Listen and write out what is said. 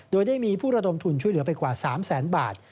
โดยได้มีผู้ระดมทุนช่วยเหลือไปกว่า๓แสนบาท